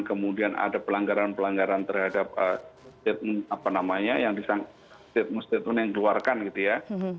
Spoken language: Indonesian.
kemudian ada pelanggaran pelanggaran terhadap statement apa namanya statement statement yang dikeluarkan gitu ya